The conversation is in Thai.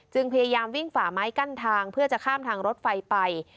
พยายามวิ่งฝ่าไม้กั้นทางเพื่อจะข้ามทางรถไฟไป